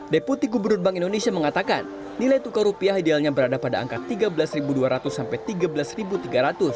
deputi gubernur bank indonesia mengatakan nilai tukar rupiah idealnya berada pada angka rp tiga belas dua ratus sampai rp tiga belas tiga ratus